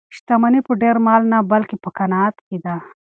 شتمني په ډېر مال نه بلکې په قناعت کې ده.